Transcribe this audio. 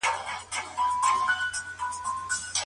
هغه په مېړانه د اصفهان کلا فتحه کړه.